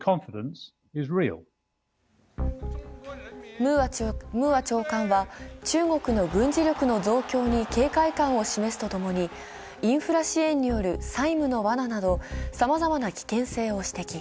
ムーア長官は、中国の軍事力の増強に警戒感を示すとともに、インフラ支援による債務のわななど、さまざまな危険性を指摘。